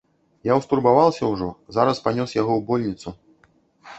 Я ўстурбаваўся ўжо, зараз панёс яго ў больніцу.